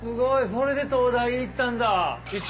それで東大行ったんだ。